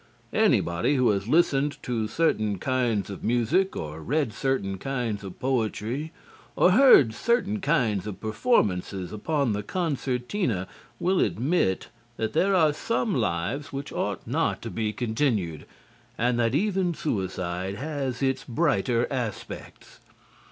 Anybody who has listened to certain kinds of music, or read certain kinds of poetry, or heard certain kinds of performances upon the concertina, will admit that there are some lives which ought not to be continued, and that even suicide has its brighter aspects.